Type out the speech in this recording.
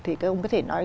thì ông có thể nói